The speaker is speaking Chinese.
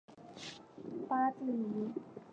巴蒂尼。